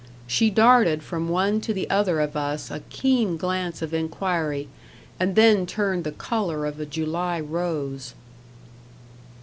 She darted from one to the other of us a keen glance of inquiry, and then turned the colour of a July rose.